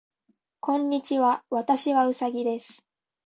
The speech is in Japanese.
こんにちは。私はうさぎです。